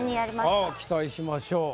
期待しましょう。